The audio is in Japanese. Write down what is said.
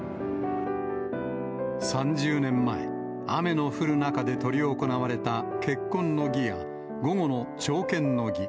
３０年前、雨の降る中で執り行われた結婚の儀や午後の朝見の儀。